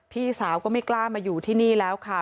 พี่สาวก็ไม่กล้ามาอยู่ที่นี่แล้วค่ะ